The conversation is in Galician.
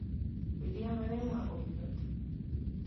Viríame ven unha copiloto.